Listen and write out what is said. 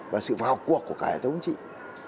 và sự vào cuộc của cả hệ thống chính trị